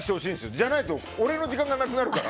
じゃないと俺の時間がなくなるから。